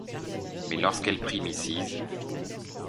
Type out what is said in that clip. Mais lorsqu’elle prie Mrs.